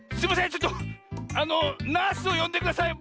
ちょっとあのナースをよんでください。